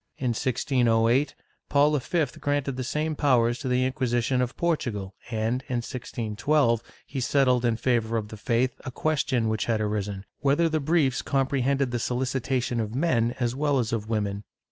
^ In 1608, Paul V granted the same powers to the In(|uisition of Portugal and, in 1612, he settled in favor of the faith a question which had arisen, whether the briefs comprehended the solicitation of men as well as of women.